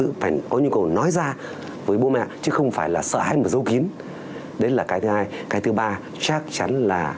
đấy là cái thứ hai cái thứ ba chắc chắn là không phải là sợ hay mà giấu kín đấy là cái thứ hai cái thứ ba chắc chắn là không phải là sợ hay mà giấu kín đấy là cái thứ hai cái thứ ba chắc chắn là